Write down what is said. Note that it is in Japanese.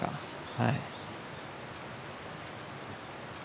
はい。